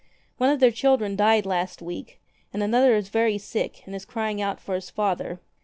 One of their children died last week, and another is very sick and is crying out for his father.